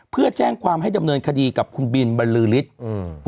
เพื่อแจ้งความให้ดำเนินคดีกับคุณบินบรรลือฤทธิ์อืม